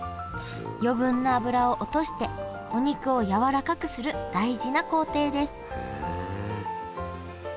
余分な脂を落としてお肉をやわらかくする大事な工程です